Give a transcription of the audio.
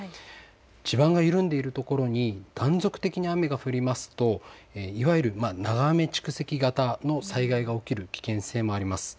地盤が緩んでいるところに断続的に雨が降りますといわゆる長雨蓄積型の災害が起きる危険性もあります。